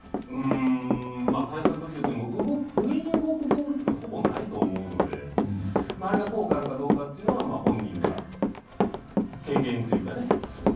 対策といっても上に動くボールというのはほぼないと思うのであれが効果あるかどうかというのは本人が経験というかね。